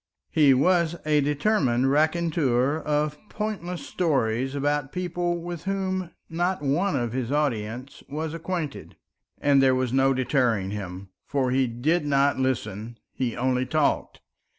He was a determined raconteur of pointless stories about people with whom not one of his audience was acquainted. And there was no deterring him, for he did not listen, he only talked.